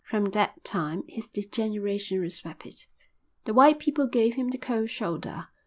From that time his degeneration was rapid. The white people gave him the cold shoulder.